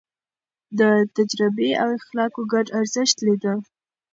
ده د تجربې او اخلاقو ګډ ارزښت ليده.